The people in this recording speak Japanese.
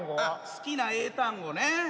好きな英単語ね。